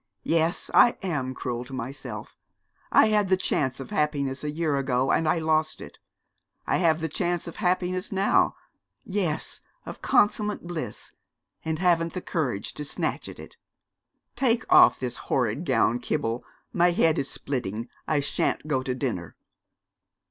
Yes, I am cruel to myself. I had the chance of happiness a year ago, and I lost it. I have the chance of happiness now yes, of consummate bliss and haven't the courage to snatch at it. Take off this horrid gown, Kibble; my head is splitting: I shan't go to dinner.'